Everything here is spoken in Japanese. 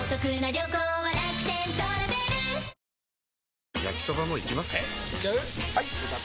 えいっちゃう？